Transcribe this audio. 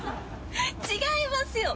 違いますよ。